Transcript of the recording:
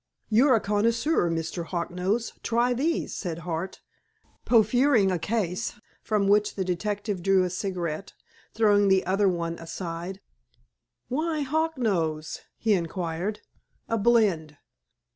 '" "You're a connoisseur, Mr. Hawknose—try these," said Hart, proffering a case, from which the detective drew a cigarette, throwing the other one aside. "Why 'Hawknose'?" he inquired. "A blend.